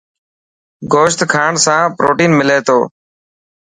گوشت کاڻ سان پروٽين ملي ٿو.